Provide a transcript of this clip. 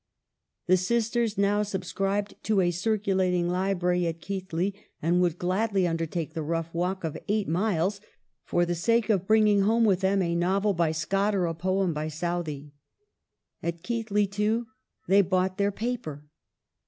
The sisters now subscribed to a circulating library at Keighley, and would gladly undertake the rough walk of eight miles for the sake of bringing back with them a novel by Scott, or a poem by Southey. At Keighley, too, they bought their paper.